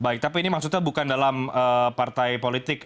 baik tapi ini maksudnya bukan dalam partai politik